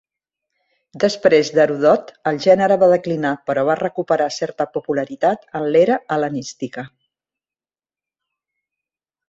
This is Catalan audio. Després d'Heròdot, el gènere va declinar però va recuperar certa popularitat en l'era hel·lenística.